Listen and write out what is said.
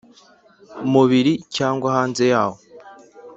mubiri cyangwa hanze yawo